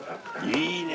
いいね！